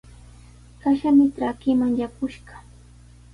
Kashami trakiiman yakushqa.